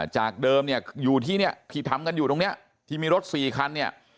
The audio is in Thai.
จากเดิมเนี่ยอยู่ที่เนี่ยที่ทำกันอยู่ตรงนี้ที่มีรถ๔คันเนี่ย